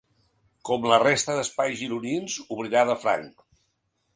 Com la resta d’espais gironins, obrirà de franc.